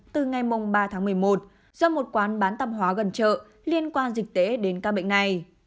từ ngày ba tháng một mươi một do một quán bán tạp hóa gần chợ liên quan dịch tễ đến ca bệnh này